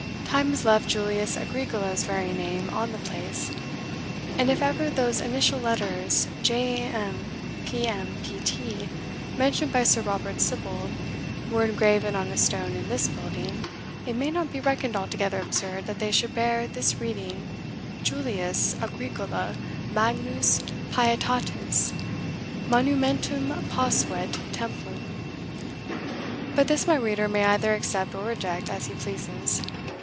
"Time has left Julius Agricola's very name on the place; ... and if ever those initial letters J. A. M. P. M. P. T., mentioned by Sir Robert Sibbald, were engraven on a stone in this building, it may not be reckoned altogether absurd that they should bear this reading, JULIUS AGRICOLA MAGNUS PIETATIS MONUMENTUM POSUIT TEMPLUM; but this my reader may either accept or reject as he pleases.